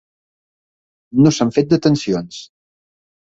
No s’han fet detencions.